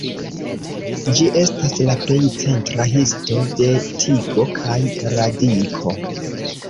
Ĝi estas la plej centra histo de tigo kaj radiko.